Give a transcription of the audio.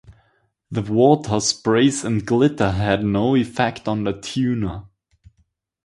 The water sprays and glitter had no effect on the tuna.